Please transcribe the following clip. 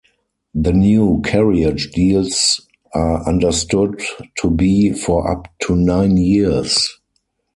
The new carriage deals are understood to be for up to nine years.